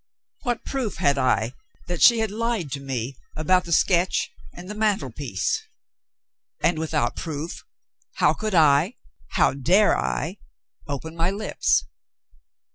What proof had I that she had lied to me about the sketch and the mantlepiece? And, without proof, how could I, how dare I, open my lips?